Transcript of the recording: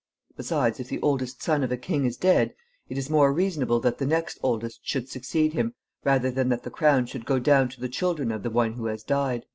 Besides, if the oldest son of a king is dead, it is more reasonable that the next oldest should succeed him, rather than that the crown should go down to the children of the one who has died."